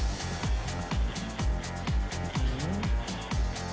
うん？